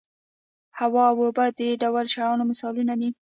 هوا او اوبه د دې ډول شیانو مثالونه دي.